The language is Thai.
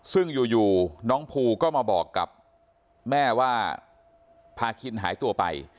ซึ่งอยู่น้องภูก็มาบอกกับแม่ว่าพาคินหายตัวไป